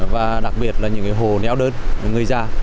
và đặc biệt là những hồ neo đơn những người già